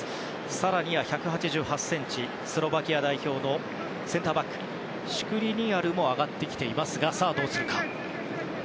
更に１８８ｃｍスロバキア代表のセンターバックシュクリニアルも上がってきたがどうするか。